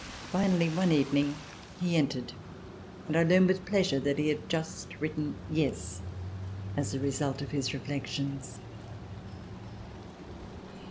Finally one evening he entered and I learned with pleasure that he had just written "yes" as a result of his reflections.